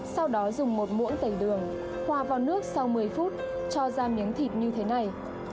sau đó dùng một mỡ tẩy đường hòa vào nước sau một mươi phút cho ra miếng thịt như thế này